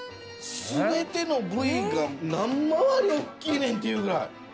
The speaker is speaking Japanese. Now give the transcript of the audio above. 全ての部位が何周りおっきいねん！っていうぐらい。